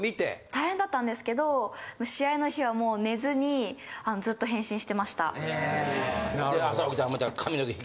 大変だったんですけど試合の日はもう寝ずにずっと返信してました。